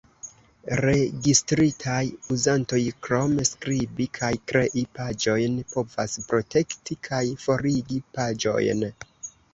Registritaj uzantoj, krom skribi kaj krei paĝojn, povas protekti kaj forigi paĝojn.